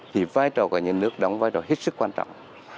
thì vai trò của nhà nước đóng vai trò hết sức quan trọng